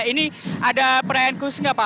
ini ada perayaan khusus nggak pak